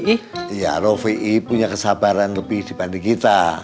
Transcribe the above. iya rovi punya kesabaran lebih dibanding kita